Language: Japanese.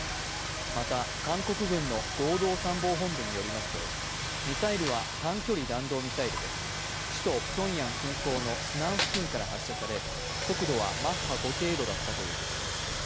また韓国軍の合同参謀本部によりますとミサイルは短距離弾道ミサイルで首都ピョンヤン近郊のスナン付近から発射され、速度はマッハ５程度だったということです。